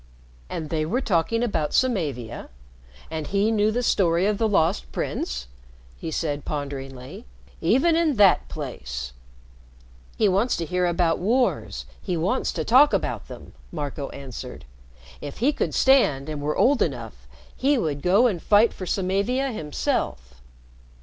"And they were talking about Samavia? And he knew the story of the Lost Prince?" he said ponderingly. "Even in that place!" "He wants to hear about wars he wants to talk about them," Marco answered. "If he could stand and were old enough, he would go and fight for Samavia himself."